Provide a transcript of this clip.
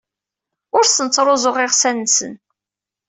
Ur asen-ttruẓuɣ iɣsan-nsen.